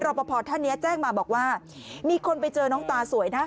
ปภท่านนี้แจ้งมาบอกว่ามีคนไปเจอน้องตาสวยนะ